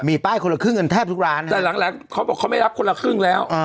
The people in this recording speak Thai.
มีป้ายคนละครึ่งกันแทบทุกร้านแต่หลังหลังเขาบอกเขาไม่รับคนละครึ่งแล้ว